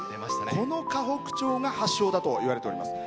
この河北町が発祥だといわれております。